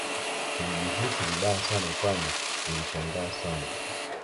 Nilijihisi vibaya Sana Kwani nilishangaa Sana